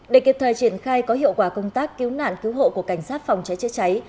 để kịp thời triển khai có hiệu quả công tác cứu nạn cứu hộ của cảnh sát phòng cháy chữa cháy